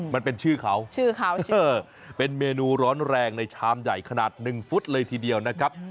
มันเป็นชื่อเขาเป็นเมนูร้อนแรงในชามใหญ่ขนาด๑ฟุตเลยทีเดียวนะครับ